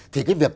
thì cái việc